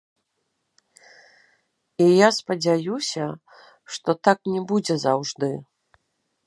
І я спадзяюся, што так не будзе заўжды.